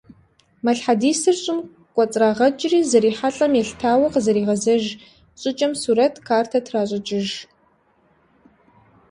Малъхъэдисыр щӀым кӀуэцӀрагъэкӀри, зрихьэлӀэм елъытауэ къызэригъэзэж щӀыкӀэм сурэт, картэ тращӀыкӀыж.